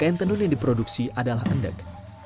kain tenun yang diproduksi adalah endek